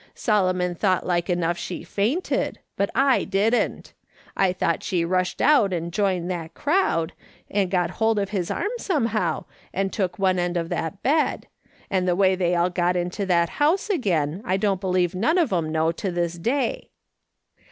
Solomon thought like enough she fainted ; but I didn't. I thought .she rushed out and joined that crowd, and got hold of his arm somehow, and took one end of that bed ; and the way they all got into that house ij6 MRS. SOLOMON SMITH LOOKING ON. again I don't believe none of 'em know to this day.